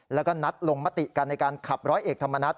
แล้วก็นัดลงมติกันในการขับร้อยเอกธรรมนัฐ